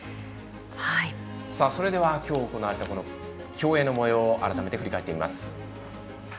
それでは今日行われた競泳のもようを改めて振り返ってみます。